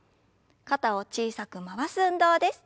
肩を小さく回す運動です。